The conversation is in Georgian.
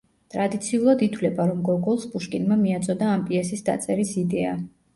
ტრადიციულად ითვლება, რომ გოგოლს პუშკინმა მიაწოდა ამ პიესის დაწერის იდეა.